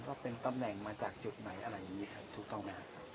ก็เป็นตำแหน่งมาจากจุดไหนอะไรอย่างนี้ครับถูกต้องไหมครับ